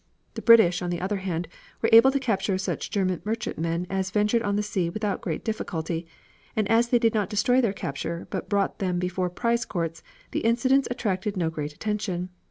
The British, on the other hand, were able to capture such German merchantmen as ventured on the sea without great difficulty, and as they did not destroy their capture, but brought them before prize courts, the incidents attracted no great attention.